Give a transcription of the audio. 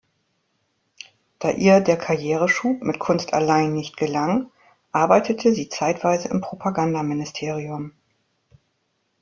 Da ihr der Karriereschub mit Kunst allein nicht gelang, arbeitete sie zeitweise im Propagandaministerium.